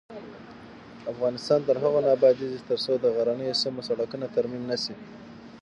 افغانستان تر هغو نه ابادیږي، ترڅو د غرنیو سیمو سړکونه ترمیم نشي.